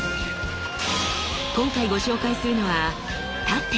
今回ご紹介するのは「殺陣」。